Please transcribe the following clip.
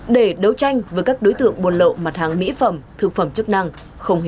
để đấu tranh với các đối tượng buôn lậu mặt hàng mỹ phẩm thực phẩm chức năng